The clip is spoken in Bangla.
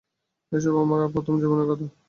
এ-সব আমার প্রথম যৌবনের কথা।